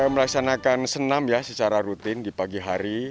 melaksanakan senam ya secara rutin di pagi hari